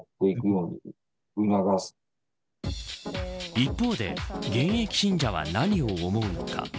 一方で現役信者は何を思うのか。